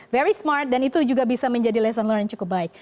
very smart dan itu juga bisa menjadi lesson learne yang cukup baik